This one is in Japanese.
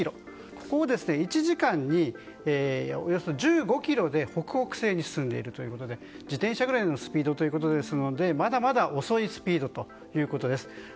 ここを１時間におよそ１５キロで北北西に進んでいるということで自転車ぐらいのスピードということですのでまだまだ遅いです。